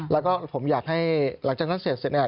แล้วก็ผมอยากให้หลังจากนั้นเสร็จเสร็จเนี่ย